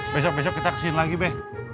besok besok kita kesini lagi deh